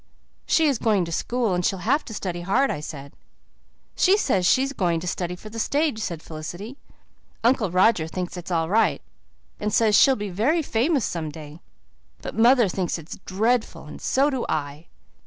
"She's going to school and she'll have to study hard," I said. "She says she's going to study for the stage," said Felicity. "Uncle Roger thinks it is all right, and says she'll be very famous some day. But mother thinks it's dreadful, and so do I."